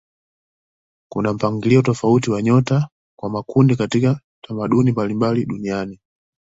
Kuna mpangilio tofauti wa nyota kwa makundi katika tamaduni mbalimbali duniani.